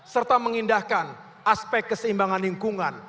serta mengindahkan aspek keseimbangan lingkungan